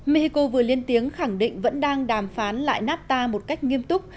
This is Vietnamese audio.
mexico vừa liên tiếng khẳng định vẫn đang đàm phán lại napta một cách nghiêm túc